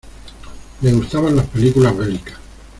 Le gustaban las películas bélicas.